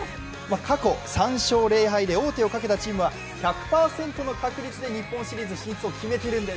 過去３勝０敗で王手をかけたチームは１００％の確率で日本シリーズ進出を決めているんです。